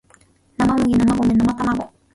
生麦生卵生卵